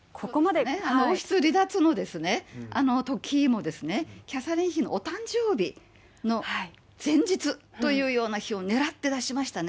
王室離脱のときもですね、キャサリン妃のお誕生日の前日というような日を狙って出しましたね。